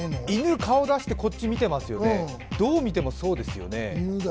犬が顔出して、こっち見ていますよね、どう見てもそうですよね。